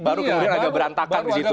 baru kemudian agak berantakan disitu